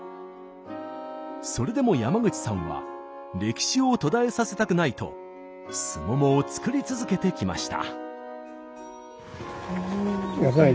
それでも山口さんは歴史を途絶えさせたくないとすももを作り続けてきました。